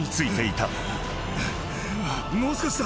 もう少しだ。